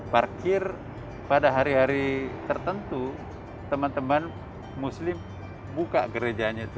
parkir pada hari hari tertentu teman teman muslim buka gerejanya itu